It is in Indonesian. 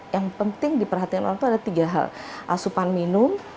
yang penting diperhatikan orang itu ada tiga hal asupan minum